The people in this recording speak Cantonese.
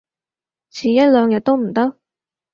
遲一兩日都唔得？